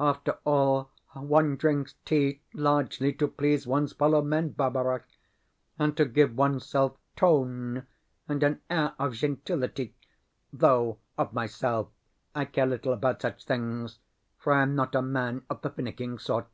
After all, one drinks tea largely to please one's fellow men, Barbara, and to give oneself tone and an air of gentility (though, of myself, I care little about such things, for I am not a man of the finicking sort).